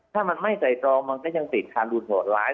ถ้ามันไม่ใส่ตรองมันก็ยังติดคารุนโหดร้าย